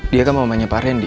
dia kan mau tanya pak randy